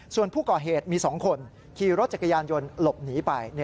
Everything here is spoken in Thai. ส่วนผู้ก่อเหตุมี๒คนขี่รถจักรยานยนต์หลบหนีไป